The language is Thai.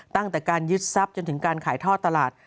ตั้งแต่การยึดทรัพย์จนถึงการขายท่อตลาด